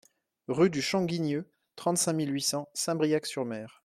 Rue du Champ Guigneux, trente-cinq mille huit cents Saint-Briac-sur-Mer